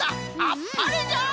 あっぱれじゃ！